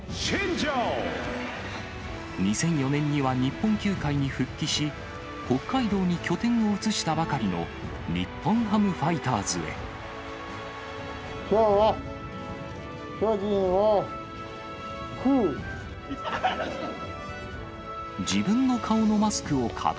２００４年には日本球界に復帰し、北海道に拠点を移したばかりの日きょうは巨人を食う。